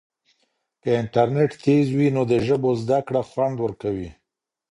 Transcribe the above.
که انټرنیټ تېز وي نو د ژبو زده کړه خوند ورکوي.